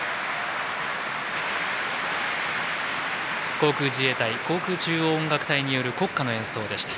航空自衛隊航空中央音楽隊による国歌の演奏でした。